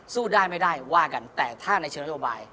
สู้ได้ไม่ได้ว่ากันแต่ถ้าในเชิงนโยบาย